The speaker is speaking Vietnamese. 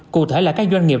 cụ thể là các doanh nghiệp